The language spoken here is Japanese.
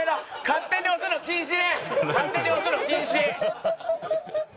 勝手に押すの禁止！